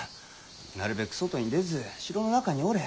なるべく外に出ず城の中におれ。